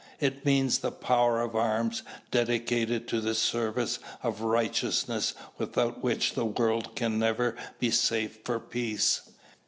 It means the power of arms dedicated to the service of righteousness without which the world can never be safe for peace.